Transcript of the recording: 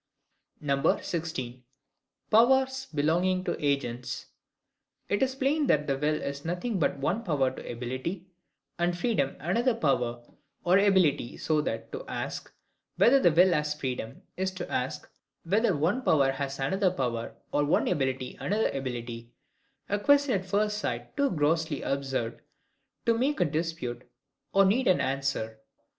16. Powers belonging to Agents. It is plain then that the will is nothing but one power or ability, and FREEDOM another power or ability so that, to ask, whether the will has freedom, is to ask whether one power has another power, one ability another ability; a question at first sight too grossly absurd to make a dispute, or need an answer.